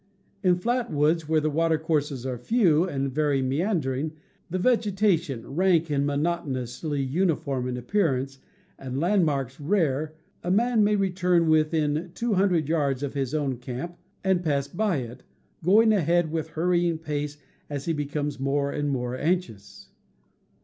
In flat woods, where the watercourses are few and very meandering, the vegetation rank and monoto 1^, ^ TTT J nously uniform in appearance, and land Flat Woods. ,^*^'.^, marks rare, a man may return with in 200 yards of his own camp and pass by it, going ahead with hurrying pace as he becomes more and more anxious.